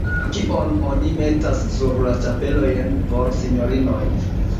Kion oni metas sur la ĉapelojn por sinjorinoj?